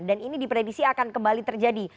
dan ini dipredisi akan kembali terjadi